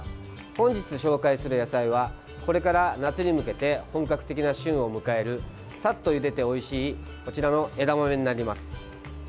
本日紹介する野菜はこれから夏に向けて本格的な旬を迎えるさっとゆでておいしいこちらの枝豆になります。